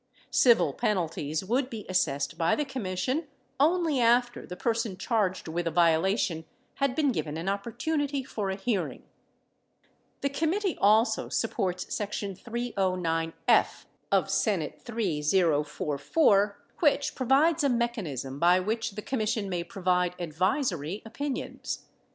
Civil penalties would be assessed by the Commission only after the person charged with a violation had been given an opportunity for a hearing. The committee also supports section 309(f) of S. 3044 which pro vides a mechanism by which the Commission may provide advisory opinions.